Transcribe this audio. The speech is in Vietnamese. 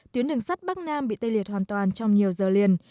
tuyến đường sắt bắc nam bị tê liệt hoàn toàn trong nhiều giờ liền